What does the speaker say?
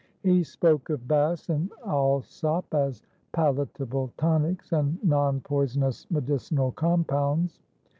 He spoke of Bass and Allsopp as "palatable tonics" and "non poisonous medicinal compounds."